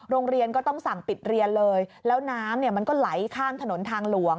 โรงเรียนก็ต้องสั่งปิดเรียนเลยแล้วน้ำเนี่ยมันก็ไหลข้ามถนนทางหลวง